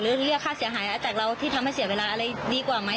เรียกค่าเสียหายจากเราที่ทำให้เสียเวลาอะไรดีกว่าไหม